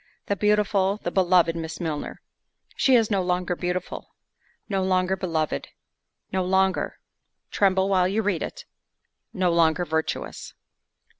The beautiful, the beloved Miss Milner—she is no longer beautiful—no longer beloved—no longer—tremble while you read it!—no longer—virtuous.